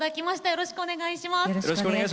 よろしくお願いします。